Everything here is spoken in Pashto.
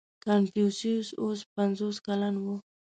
• کنفوسیوس اوس پنځوس کلن و.